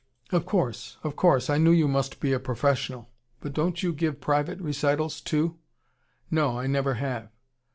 "Of course! Of course! I knew you must be a professional. But don't you give private recitals, too?" "No, I never have."